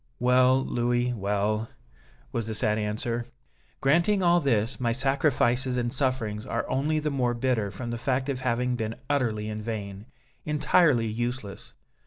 "Well, Louis, well," was the sad answer, "granting all this, my sacrifices and sufferings are only the more bitter from the fact of having been utterly in vain, entirely useless.